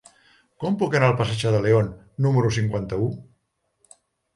Com puc anar al passatge de León número cinquanta-u?